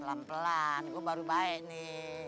pelan pelan gue baru baik nih